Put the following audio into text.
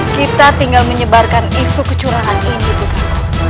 kita tinggal menyebarkan isu kecurangan ini putriku